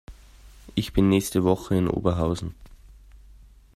Ich bin nächste Woche in Oberhausen